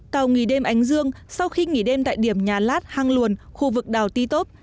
tàu nghỉ đêm ánh dương sau khi nghỉ đêm tại điểm nhà lát hàng luồn khu vực đảo ti tốp